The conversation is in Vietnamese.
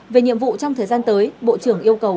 về nhiệm vụ trong thời gian tới bộ trưởng yêu cầu